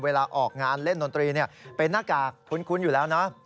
เวลาออกงานเล่นดนตรีเป็นหน้ากากคุ้นอยู่แล้วนะ